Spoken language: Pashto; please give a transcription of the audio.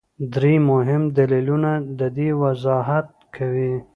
درې مهم دلیلونه د دې وضاحت کوي.